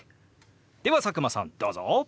では佐久間さんどうぞ。